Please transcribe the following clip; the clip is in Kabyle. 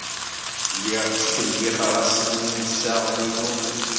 Lliɣ ttkellixeɣ-asen i yemsaɣen-inu.